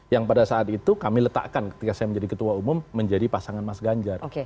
yang pada saat itu kami letakkan ketika saya menjadi ketua umum menjadi pasangan mas ganjar